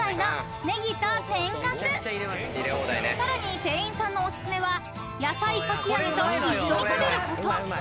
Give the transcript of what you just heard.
［さらに店員さんのおすすめは野菜かき揚げと一緒に食べること］